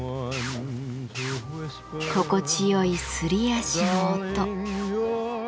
心地よいすり足の音。